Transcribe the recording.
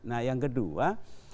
nah yang kedua